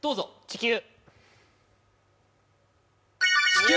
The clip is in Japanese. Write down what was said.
地球！